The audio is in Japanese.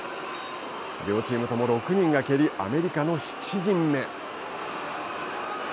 両チームとも６人が蹴りアメリカの７人目。